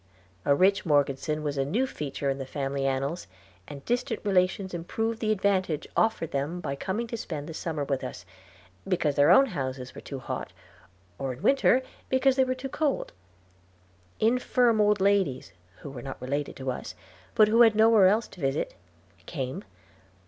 A rich Morgeson was a new feature in the family annals, and distant relations improved the advantage offered them by coming to spend the summer with us, because their own houses were too hot, or the winter, because they were too cold! Infirm old ladies, who were not related to us, but who had nowhere else to visit, came.